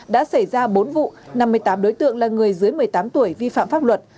đã xảy ra bốn vụ năm mươi tám đối tượng là người dưới một mươi tám tuổi vi phạm pháp luật